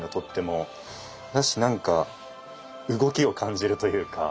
だしなんか動きを感じるというか。